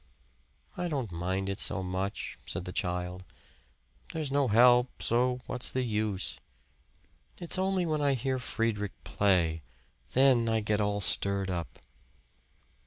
"I don't mind it so much," said the child. "There's no help, so what's the use. It's only when I hear Friedrich play then I get all stirred up."